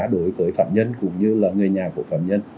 đối với phạm nhân cũng như là người nhà của phạm nhân